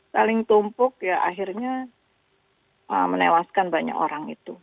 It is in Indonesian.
saling tumpuk ya akhirnya menewaskan banyak orang itu